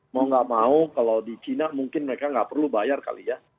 mau nggak mau kalau di china mungkin mereka nggak perlu bayar kali ya